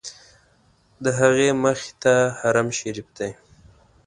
د هغې مخې ته حرم شریف دی.